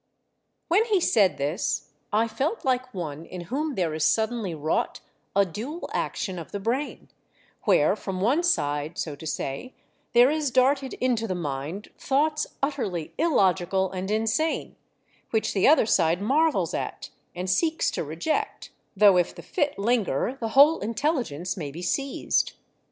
When he said this I felt like one in whom there is suddenly wrought a dual action of the brain ; where from one side, so to say, there is darted into the mind thoughts utterly illogical and insane, which the other side marvels at, and seeks to reject, though if the fit linger the whole intelligence may be seized.